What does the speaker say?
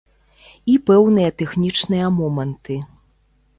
І пэўныя тэхнічныя моманты.